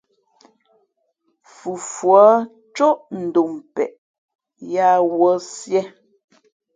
Fufuά cóʼ ndom peʼe , yāā wūᾱ sīē.